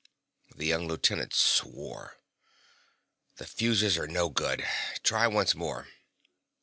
The young lieutenant swore. "The fuses are no good. Try once more."